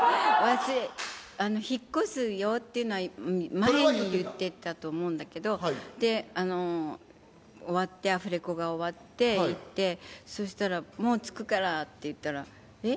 引っ越すよっていうのは前に言ってたと思うんだけど、終わって、アフレコが終わって、いって、そしたらもう着くからって言ったら、えっ？